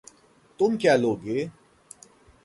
तुम क्या लोगे?